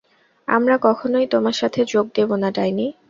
আমরা কখনই তোমার সাথে যোগ দেব না, ডাইনি।